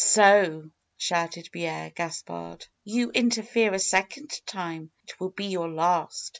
"So!" shouted Pierre Gaspard. "You interfere a second time ! It will be your last.